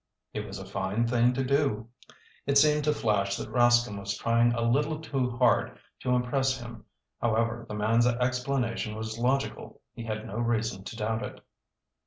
"It was a fine thing to do." It seemed to Flash that Rascomb was trying a little too hard to impress him. However, the man's explanation was logical. He had no reason to doubt it.